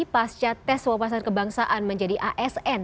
pasca tes wawasan kebangsaan menjadi asn